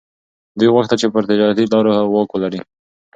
دوی غوښتل چي پر تجارتي لارو واک ولري.